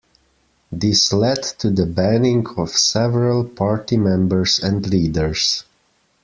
This led to the banning of several party members and leaders.